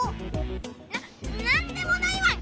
なっなんでもないワン！